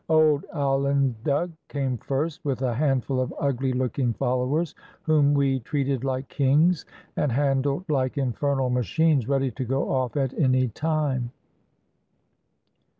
Old Alandug came first, with a handful of ugly looking followers, whom we treated like kings, and handled Hke infernal machines ready to go off at any time.